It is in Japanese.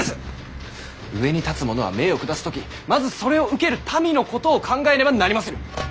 上に立つものは命を下す時まずそれを受ける民のことを考えねばなりませぬ。